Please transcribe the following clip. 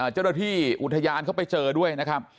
เจ้าหน้าที่อุทยานเข้าไปเจอด้วย